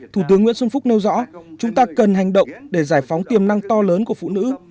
thủ tướng nguyễn xuân phúc nêu rõ chúng ta cần hành động để giải phóng tiềm năng to lớn của phụ nữ